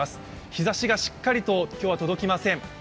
日ざしがしっかりと今日は届きません。